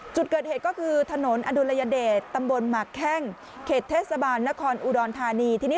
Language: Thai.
จุดเกิดเหตุก็คือถนนอดุลยเดชตำบลหมากแข้งเขตเทศบาลนครอุดรธานีทีนี้